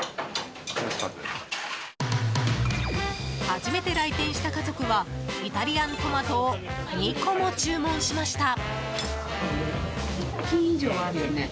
初めて来店した家族はイタリアントマトを２個も注文しました。